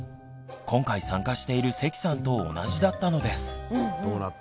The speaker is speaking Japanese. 今回参加している関さんと同じだったのです。